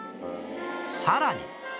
さらに